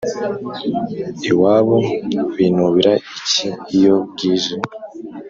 Iwabo binubira iki iyo bwije?